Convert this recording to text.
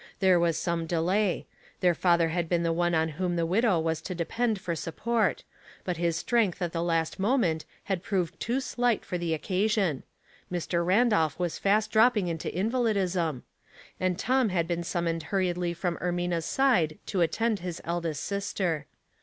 There was some delay. Their father had been the one on whom the widow was to depend for support ; but his strength at the last moment had proved too slight for the occasion — Mr. Randolph was fast drop ping into invalidism — and Tom had been sum moned hurriedly from Ermina's side to attend his eldest sister.